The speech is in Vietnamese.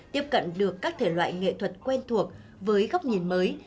tiếp cận được các thể loại nghệ thuật quen thuộc với góc nhìn mới